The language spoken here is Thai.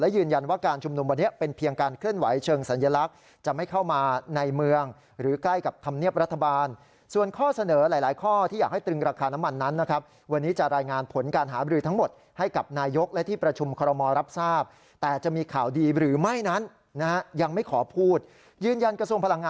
และยืนยันว่าการชุมนุมวันนี้เป็นเพียงการเคลื่อนไหวเชิงสัญลักษณ์